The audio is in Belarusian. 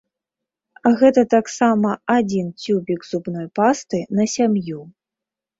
Гэта таксама адзін цюбік зубной пасты на сям'ю.